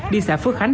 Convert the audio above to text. đi xã phước khánh